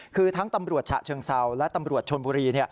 คือทั้งตำรวจฉะเชิงเซาและตำรวจชนบุรี